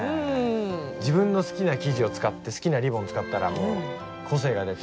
自分の好きな生地を使って好きなリボン使ったら個性が出て。